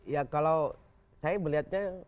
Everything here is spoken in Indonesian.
ya kalau saya melihatnya